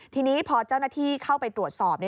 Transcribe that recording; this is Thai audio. ทีนี้พอเจ้าหน้าที่เข้าไปตรวจสอบ